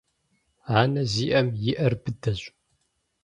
Анэ зиIэм и Iэр быдэщ.